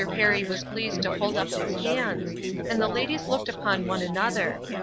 Perry was pleased to hold up his hands; and the ladies looked upon one another.